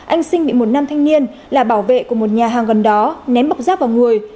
anh sinh bị một nam thanh niên là bảo vệ của một nhà hàng gần đó ném bọc rác vào người